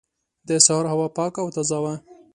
د سهار هوا پاکه او تازه وه.